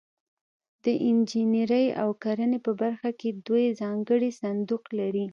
د انجنیري او کرنې په برخه کې دوی ځانګړی صندوق لري.